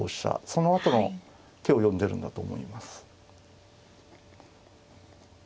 その後の手を読んでるんだと思います。